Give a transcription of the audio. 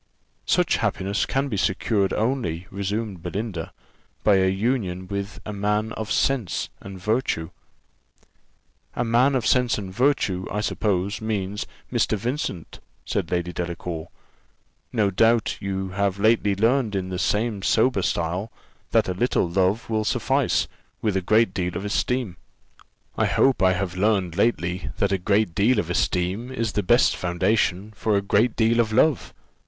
"Such happiness can be secured only," resumed Belinda, "by a union with a man of sense and virtue." "A man of sense and virtue, I suppose, means Mr. Vincent," said Lady Delacour: "no doubt you have lately learned in the same sober style that a little love will suffice with a great deal of esteem." "I hope I have learned lately that a great deal of esteem is the best foundation for a great deal of love."